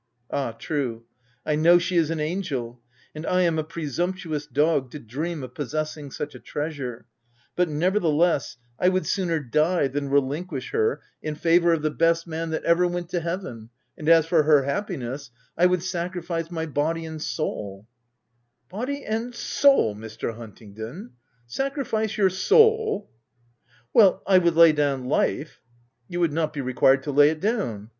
"Ah, true ! I know she is an angel, and I am a presumptuous dog to dream of possess ing such a treasure ; but, nevertheless, I would sooner die than relinquish her in favour of the 356 THE TENANT best man that ever went to heaven — and as for her happiness, I would sacrifice my body and soul— "" Body and soul Mr. Huntingdon — sacrifice your soul ?"," Well, I would lay down life—" "You would not be required to lay it down."